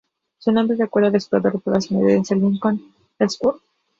Su nombre recuerda al explorador polar estadounidense Lincoln Ellsworth.